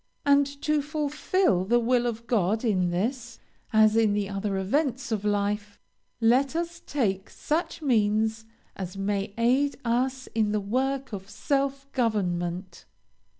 And, to fulfill the will of God in this, as in the other events of life, let us take such means as may aid us in the work of self government.